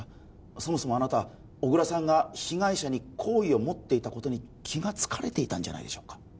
そもそもあなた小倉さんが被害者に好意を持っていたことに気がつかれていたんじゃないでしょうか？